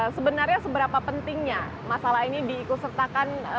sebenarnya seberapa pentingnya masalah ini diikusertakan